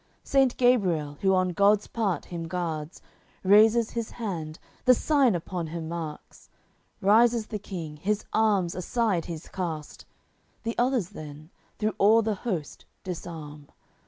Saint Gabriel, who on God's part him guards, Raises his hand, the Sign upon him marks. Rises the King, his arms aside he's cast, The others then, through all the host, disarm.